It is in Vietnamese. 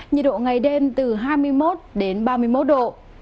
nhiệt độ ngày đêm từ hai mươi một đến ba mươi một độ